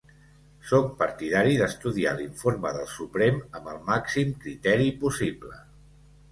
Sóc partidari d’estudiar l’informe del Suprem amb el màxim criteri possible.